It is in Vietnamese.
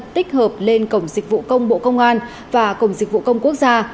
tích hợp lên cổng dịch vụ công bộ công an và cổng dịch vụ công quốc gia